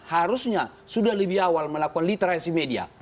harusnya sudah lebih awal melakukan literasi media